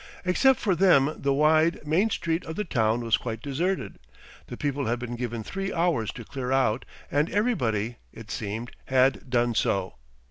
Except for them the wide, main street of the town was quite deserted, the people had been given three hours to clear out, and everybody, it seemed, had done so.